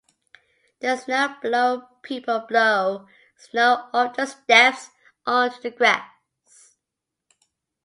The snowblower people blow snow off the steps onto the grass